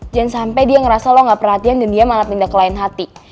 jangan sampai dia ngerasa lo gak perhatian dan dia malah pindah ke lain hati